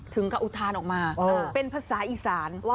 ถึงกับอุทานออกมาเป็นภาษาอีสาน